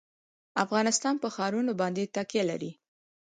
افغانستان په ښارونه باندې تکیه لري.